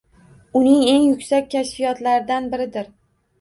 Uning eng yuksak kashfiyotlaridan biridir.